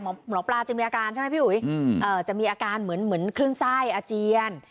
หมอปลาจะมีอาการใช่ไหมพี่อุ๋ยจะมีอาการเหมือนคลื่นไส้อาเจียน